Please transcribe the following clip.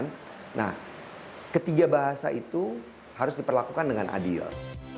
nah ketiga bahasa itu harus diperlakukan dengan adil